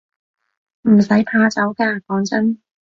唔使怕醜㗎，講真